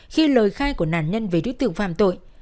khi lời khai của nạn nhân về đối tượng phạm tội